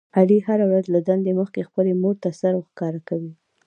علي هره ورځ له دندې مخکې خپلې مورته سر ورښکاره کوي.